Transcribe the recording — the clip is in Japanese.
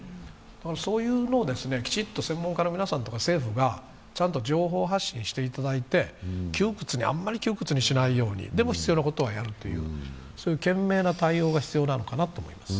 そういうのをきちっと専門家の皆さんとか政府がちゃんと情報発信していただいて、あまり窮屈にしないように、でも必要なことはやるという賢明な対応が必要なのかなと思います。